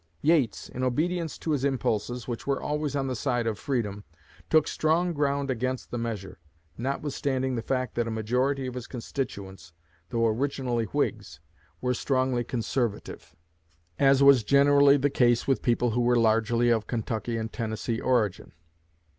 Yates, in obedience to his impulses, which were always on the side of freedom, took strong ground against the measure notwithstanding the fact that a majority of his constituents, though originally Whigs, were strongly conservative, as was generally the case with people who were largely of Kentucky and Tennessee origin.